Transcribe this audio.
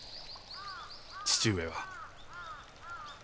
義父上は。